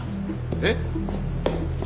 えっ！？